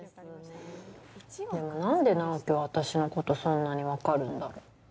でも、何で直木は私のこと、そんなに分かるんだろう？